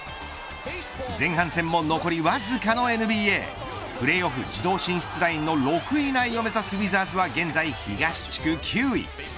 前半戦もわずかのＮＢＡプレーオフ自動進出ラインの６位以内を目指すウィザーズは現在、東地区９位。